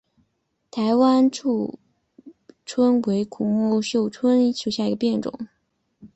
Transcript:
台湾臭椿为苦木科臭椿属下的一个变种。